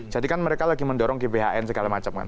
jadi kan mereka lagi mendorong gbhn segala macam kan